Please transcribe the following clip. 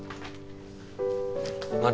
何？